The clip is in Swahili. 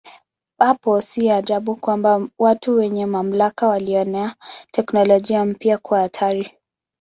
Hapo si ajabu kwamba watu wenye mamlaka waliona teknolojia mpya kuwa hatari.